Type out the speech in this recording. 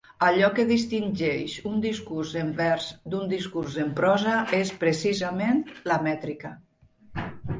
Allò que distingeix un discurs en vers d'un discurs en prosa és precisament la mètrica.